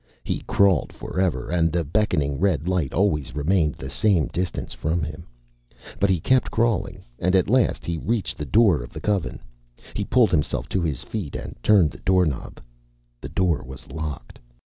He crawled forever, and the beckoning red light always remained the same distance from him. But he kept on crawling, and at last he reached the door of the Coven. He pulled himself to his feet and turned the doorknob. The door was locked.